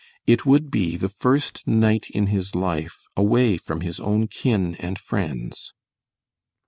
It would be the first night in his life away from his own kin and friends.